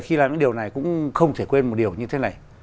khi làm những điều này cũng không thể quên một điều như thế này